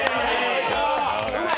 うまい！